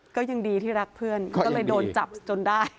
ก็ยังดีที่รักเพื่อนก็เลยโดนจับจนได้